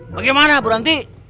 bagaimana bu ranti